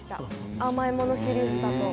甘いものシリーズだと。